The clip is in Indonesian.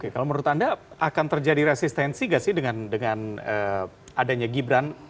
kalau menurut anda akan terjadi resistensi gak sih dengan adanya gibran